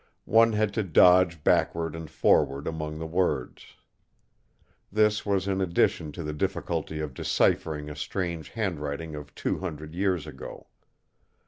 One had to dodge backward and forward among the words. This was in addition to the difficulty of deciphering a strange handwriting of two hundred years ago.